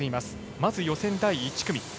まず予選第１組。